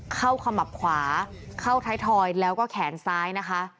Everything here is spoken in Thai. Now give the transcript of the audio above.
เข้าคำหับขวาเข้าไททอยด์แล้วก็แขนซ้ายนะคะ